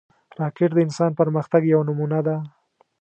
راکټ د انسان پرمختګ یوه نمونه ده